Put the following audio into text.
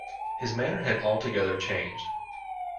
His manner had altogether changed.